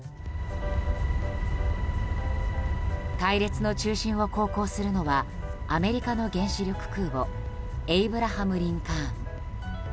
隊列の中心を航行するのはアメリカの原子力空母「エイブラハム・リンカーン」。